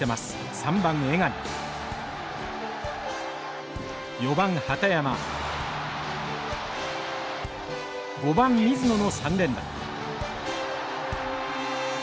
３番江上４番畠山５番水野の３連打。